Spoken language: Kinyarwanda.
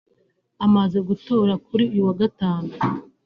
Amaze gutora kuri uyu wa Gatanu